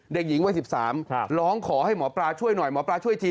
เด็กหญิงวัย๑๓ร้องขอให้หมอปลาช่วยหน่อยหมอปลาช่วยที